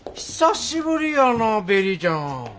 久しぶりやなベリーちゃん。